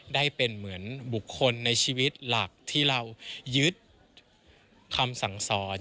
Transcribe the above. ได้เป็นเหมือนบุคคลในชีวิตหลักที่เรายึดคำสั่งสอน